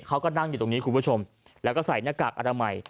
เขาก็นั่งอยู่ตรงนี้คุณผู้ชมแล้วก็ใส่หน้ากากอนามัย